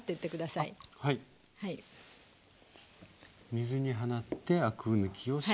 水に放ってアク抜きをしますと。